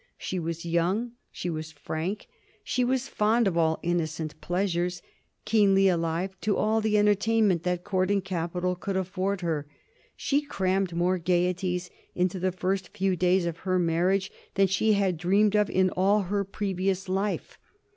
She was young, she was frank, she was fond of all innocent pleasures, keenly alive to all the entertainment that Court and capital could offer her. She crammed more gayeties into the first few days of her marriage than she had dreamed of in all her previous life.